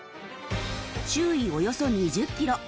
周囲およそ２０キロ